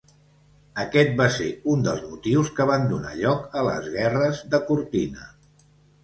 Aquest va ser un dels motius que van donar lloc a les Guerres de Cortina.